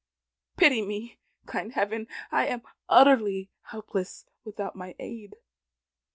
Pity me, kind Heaven! I am utterly helpless without thy aid."